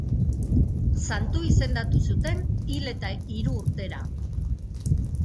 Santu izendatu zuten hil eta hiru urtera.